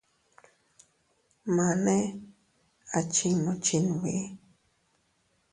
Mane a chinnu chinbi.